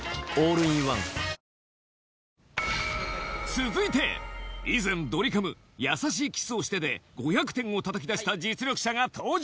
続いて以前ドリカム『やさしいキスをして』で５００点をたたき出した実力者が登場